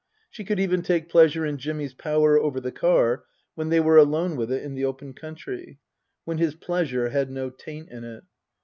She could even take pleasure in Jimmy's power over the car when they were alone with it in the open country, when his pleasure had no taint in it.